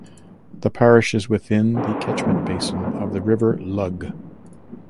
The parish is within the catchment basin of the River Lugg.